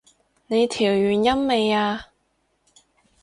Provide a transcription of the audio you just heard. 你調完音未啊？